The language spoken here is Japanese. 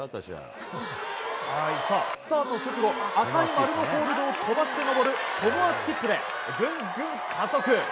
スタート直後赤い丸のホールドを飛ばして登るトモアスキップでグングン加速！